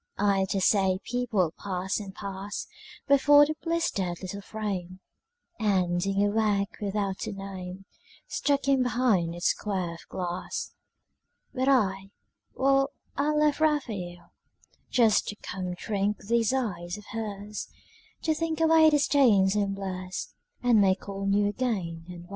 I dare say people pass and pass Before the blistered little frame, And dingy work without a name Stuck in behind its square of glass. But I, well, I left Raphael Just to come drink these eyes of hers, To think away the stains and blurs And make all new again and well.